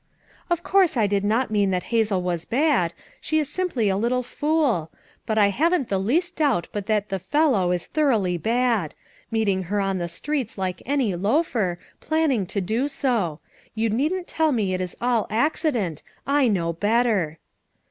"Of course I did not mean that Hazel was bad! she is simply a little fool; but I haven't the least doubt but that the fellow is thoroughly bad; meeting her on the streets like any loafer, planning to do so; you needn't tell me it is all accident; I know better."